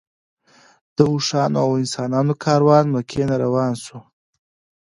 د اوښانو او انسانانو کاروان مکې نه روان شو.